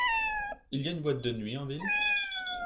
Il y a une boîte de nuit en ville ?